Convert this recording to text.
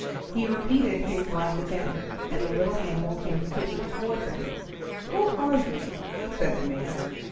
He repeated his rhyme again, and the little animal came quickly towards him. "Who are you?" said the man.